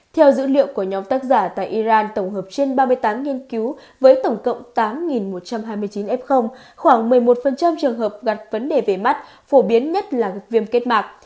theo dữ liệu của nhóm tác giả tại iran tổng hợp trên ba mươi tám nghiên cứu với tổng cộng tám một trăm hai mươi chín f khoảng một mươi một trường hợp gạt vấn đề về mắt phổ biến nhất là viêm kết mạc